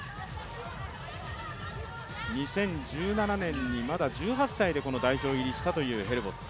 ２０１７年に、まだ１８歳で代表入りしたというヘルボッツ。